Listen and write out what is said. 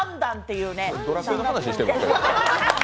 ドラフトの話してます？